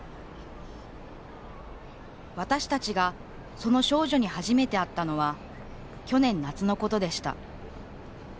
私たちがその少女に初めて会ったのは去年夏のことでした。